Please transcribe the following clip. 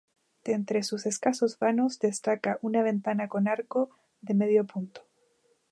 De entre sus escasos vanos destaca una ventana con arco de medio punto.